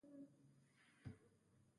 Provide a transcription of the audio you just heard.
له همدې کبله دا دوه توکي په ارزښت کې برابر دي